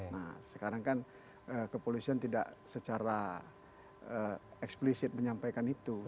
nah sekarang kan kepolisian tidak secara eksplisit menyampaikan itu